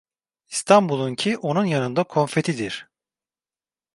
İstanbul'unki onun yanında konfetidir.